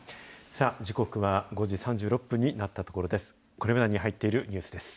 時刻は５時３６分になったところです。